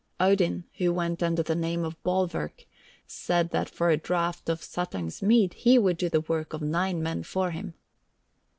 Odin, who went under the name of Baulverk, said that for a draught of Suttung's mead he would do the work of nine men for him.